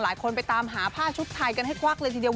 หลายคนไปตามหาผ้าชุดไทยกันให้ควักเลยทีเดียว